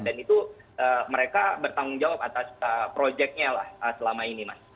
dan itu mereka bertanggung jawab atas proyeknya lah selama ini mas